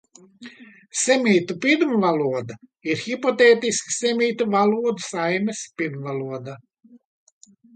Semītu pirmvaloda ir hipotētiska semītu valodu saimes pirmvaloda.